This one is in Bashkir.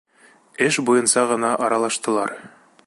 Эш буйынса ғына аралаштылар.